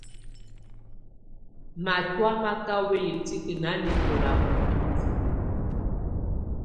Matɔ̀á mà kà wɛya tikǝ́ nanɛkɔla ù bǝtinǝ́.